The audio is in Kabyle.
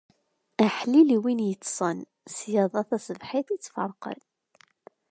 Aḥlil a win yeṭṭṣen, ṣṣyada taṣebhit i tt-ferqen!